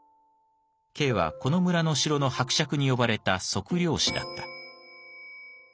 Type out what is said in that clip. Ｋはこの村の城の伯爵に呼ばれた測量士だった。